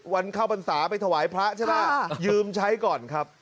เข้าพรรษาไปถวายพระใช่ไหมยืมใช้ก่อนครับ